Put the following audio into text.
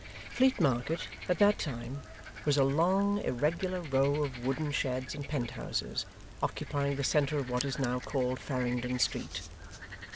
Fleet Market, at that time, was a long irregular row of wooden sheds and penthouses, occupying the centre of what is now called Farringdon Street.